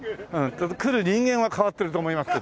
ただ来る人間は替わってると思いますけどね。